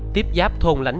tiếp giáp thôn lãnh